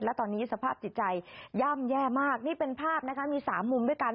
และตอนนี้สภาพจิตใจย่ำแย่มากนี่เป็นภาพนะคะมี๓มุมด้วยกัน